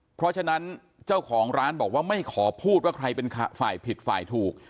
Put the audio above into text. เพราะฉะนั้นเจ้าของร้านบอกว่าไม่ขอพูดว่าใครเป็นฝ่ายผิดฝ่ายถูก